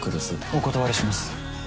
お断りします。